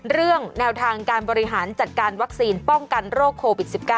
เรื่องแนวทางการบริหารจัดการวัคซีนป้องกันโรคโควิด๑๙